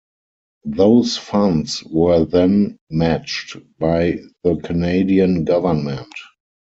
Those funds were then matched by the Canadian government.